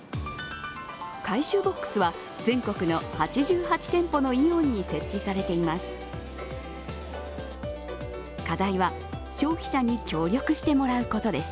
回収ボックスは全国の８８店舗のイオンに設置されています。